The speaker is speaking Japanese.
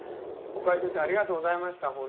岡井先生ありがとうございました。